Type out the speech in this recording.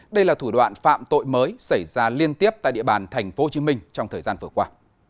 đây là thủ đoạn phạm tội mới xảy ra liên tiếp tại địa bàn tp hcm trong thời gian vừa qua